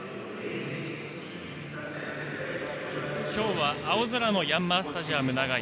今日は青空のヤンマースタジアム長居。